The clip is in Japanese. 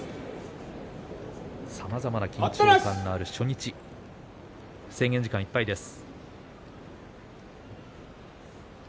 さまざまな緊張感のある初日、制限時間いっぱいです。